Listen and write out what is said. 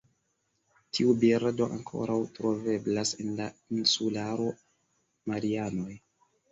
Tiu birdo ankoraŭ troveblas en la insularo Marianoj.